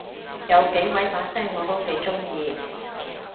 有幾位把聲我都幾中意